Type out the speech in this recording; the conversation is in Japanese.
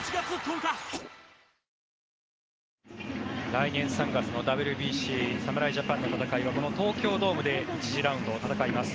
来年３月のＷＢＣ侍ジャパンの戦いはこの東京ドームで１次ラウンドを戦います。